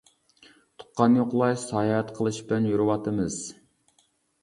تۇغقان يوقلاش، ساياھەت قىلىش بىلەن يۈرۈۋاتىمىز.